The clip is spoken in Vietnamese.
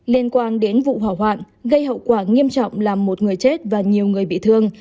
liên quan đến vụ hỏa hoạn gây hậu quả nghiêm trọng làm một người chết và nhiều người bị thương